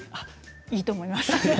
いいと思います。